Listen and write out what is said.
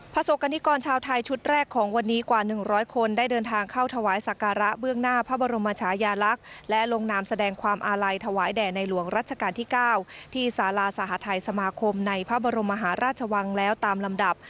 ประสบกรณิกรชาวไทยชุดแรกของวันนี้กว่า๑๐๐คนได้เดินทางเข้าถวายสักการะเบื้องหน้าพระบรมชายาลักษณ์และลงนามแสดงความอาลัยถวายแด่ในหลวงรัชกาลที่๙ที่สาราสหทัยสมาคมในพระบรมมหาราชวังแล้วตามลำดับ